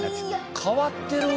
変わってる？